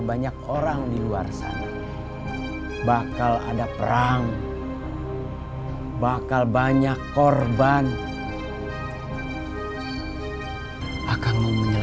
banyak orang di luar sana bakal ada perang bakal banyak korban akan